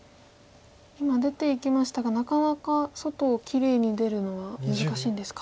今出ていきましたがなかなか外をきれいに出るのは難しいんですか。